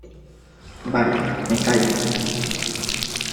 vale, me callo.